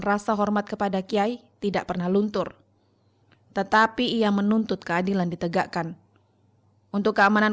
rasa hormat kepada kiai tidak pernah luntur tetapi ia menuntut keadilan ditegakkan untuk keamanan